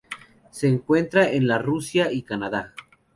Se encuentra en la Rusia y Canadá.